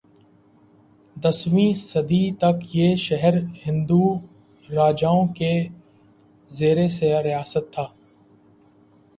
دسویں صدی تک یہ شہر ہندو راجائوں کے زیرتسلط رہا